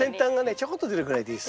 ちょこっと出るぐらいでいいです。